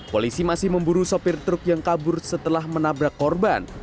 polisi masih memburu sopir truk yang kabur setelah menabrak korban